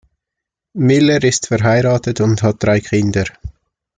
Miller ist verheiratet und hat drei Kinder.